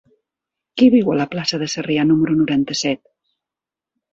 Qui viu a la plaça de Sarrià número noranta-set?